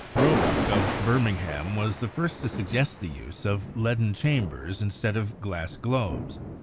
Roebuck of Birmingham was the* first to sug gest the use of leaden chambers instead of glass globes.